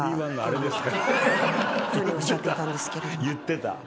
言ってた。